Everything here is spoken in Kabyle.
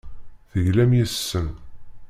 Teglam yes-sen.